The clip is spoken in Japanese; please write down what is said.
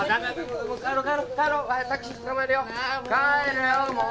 帰るよもう！